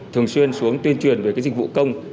thường xuyên xuống tuyên truyền về cái dịch vụ công